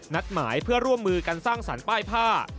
นัดหมายเพื่อร่วมมือกันสร้างสรรค์ป้ายผ้า